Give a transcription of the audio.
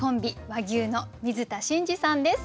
和牛の水田信二さんです。